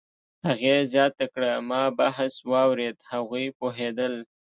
هغې زیاته کړه: "ما بحث واورېد، هغوی پوهېدل